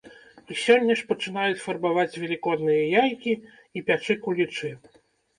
І сёння ж пачынаюць фарбаваць велікодныя яйкі і пячы кулічы.